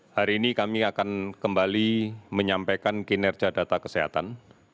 hari ini kami akan kembali menyampaikan kinerja data kesehatan